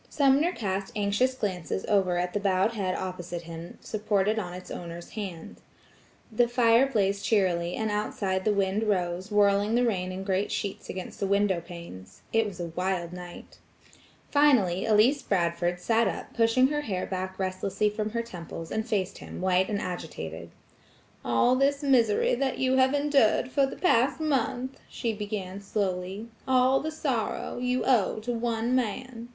Sumner cast anxious glances over at the bowed head opposite him supported on its owner's hand. The fire blazed cheerily, and outside the wind rose, whirling the rain in great sheets against the window panes. It was a wild night. Finally Elsie Bradford sat up pushing her hair back restlessly from her temples, and faced him white and agitated. "All this misery that you have endured for the past month," she began slowly,–"all the sorrow, you owe to one man.